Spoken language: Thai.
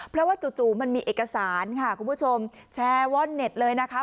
เพราะว่าจู่มันมีเอกสารค่ะคุณผู้ชมแชร์ว่อนเน็ตเลยนะคะ